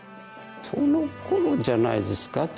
そのころじゃないですか？